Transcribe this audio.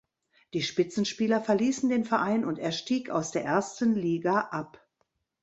Die Spitzenspieler verließen den Verein und er stieg aus der ersten Liga ab.